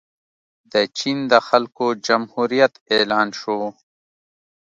د چین د خلکو جمهوریت اعلان شو.